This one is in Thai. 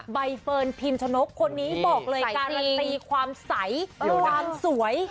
ใบเฟิร์นพิมชนกคนนี้บอกเลยการันตีความใสความสวย